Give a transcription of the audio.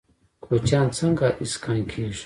کوچیان څنګه اسکان کیږي؟